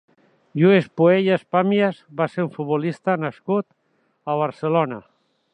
Lluís Puelles Pàmies va ser un futbolista nascut a Barcelona.